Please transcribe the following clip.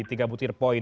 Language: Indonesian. tiga butir poin